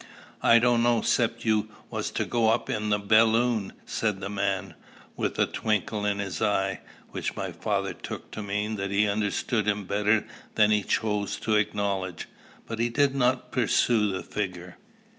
"I dunno, 'cep' you was to go up in a belloon," said the man, with a twinkle in his eye, which my father took to mean that he understood him better than he chose to acknowledge; but he did not pursue the figure.